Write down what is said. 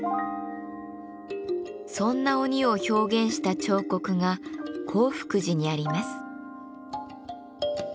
そんな鬼を表現した彫刻が興福寺にあります。